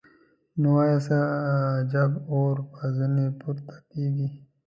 نو وای څه عجب اور به ځینې پورته کېږي.